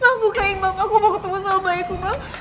maa bukain bang aku mau ketemu sama bayiku